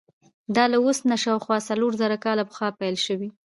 دا له اوس نه شاوخوا څلور زره کاله پخوا پیل شوی.